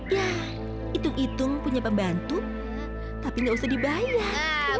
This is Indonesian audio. ya hitung hitung punya pembantu tapi gak usah dibayar